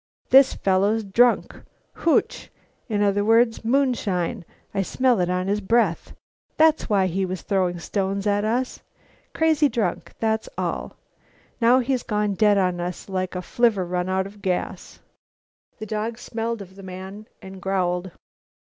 This fellow's drunk. Hooch. In other words, moonshine; I smell it on his breath. That's why he was throwing stones at us. Crazy drunk, that's all. Now he's gone dead on us, like a flivver run out of gas." The dog smelled of the man and growled.